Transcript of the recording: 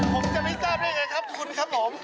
ผมจะไม่ทราบได้ไงครับคุณครับผม